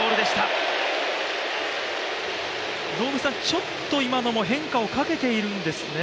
ちょっと今のも変化をかけているんですね。